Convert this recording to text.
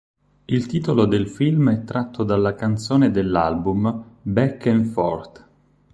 Il titolo del film è tratto dalla canzone dell'album "Back and Forth".